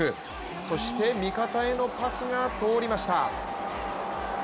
そして味方へのパスが通りました。